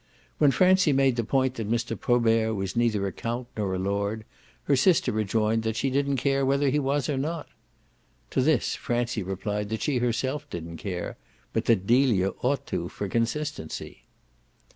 When Francie made the point that Mr. Probert was neither a count nor a lord her sister rejoined that she didn't care whether he was or not. To this Francie replied that she herself didn't care, but that Delia ought to for consistency.